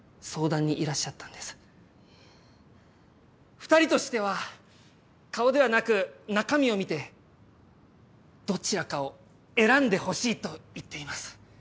２人としては顔ではなく中身を見てどちらかを選んで欲しいと言っています。